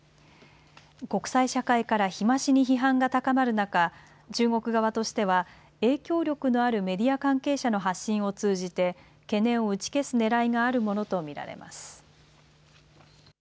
国際社会から日増しに批判が高まる中、中国側としては影響力のあるメディア関係者の発信を通じて懸念を打ち消すねらいがあるものと見られます。